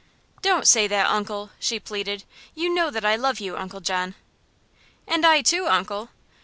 "Don't say that, uncle," she pleaded. "You know that I love you, Uncle John." "And I, too, uncle."